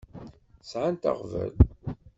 Sɛant aɣbel.